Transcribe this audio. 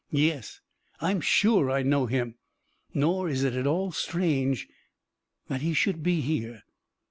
Yes, I'm sure I know him! Nor is it at all strange that he should be here."